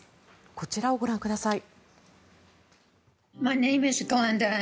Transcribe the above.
こちらをご覧ください。